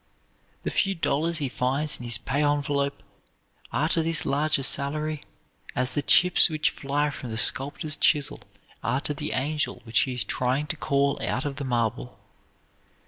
The few dollars he finds in his pay envelope are to this larger salary as the chips which fly from the sculptor's chisel are to the angel which he is trying to call out of the marble.